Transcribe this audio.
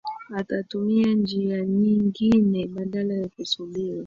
atatumia njia nyingine badala ya kusubiri